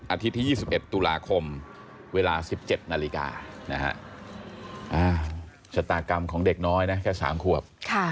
ที่๒๑ตุลาคมเวลา๑๗นาฬิกาชะตากรรมของเด็กน้อยนะแค่๓ขวบ